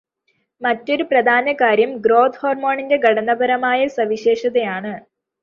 മറ്റൊരു പ്രധാനകാര്യം, ഗ്രോത് ഹോർമോണിന്റെ ഘടനാപരമായ സവിശേഷതയാണ്.